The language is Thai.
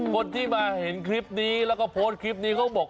คนที่มาเห็นคลิปนี้แล้วก็โพสต์คลิปนี้เขาบอก